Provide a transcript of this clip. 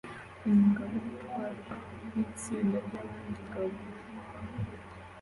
Umugabo utwarwa nitsinda ryabandi bagabo